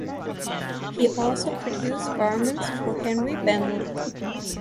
He also produced garments for Henri Bendel.